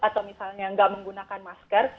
atau misalnya nggak menggunakan masker